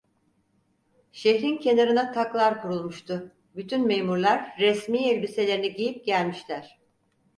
Şehrin kenarında taklar kurulmuştu, bütün memurlar resmi elbiselerini giyip gelmişler.